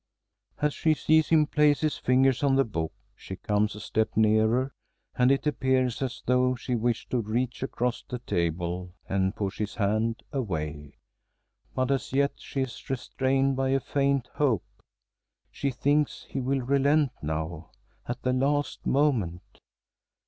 As she sees him place his fingers on the book, she comes a step nearer, and it appears as though she wished to reach across the table and push his hand away. But as yet she is restrained by a faint hope. She thinks he will relent now at the last moment.